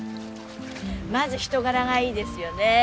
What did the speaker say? まず人柄がいいですよね。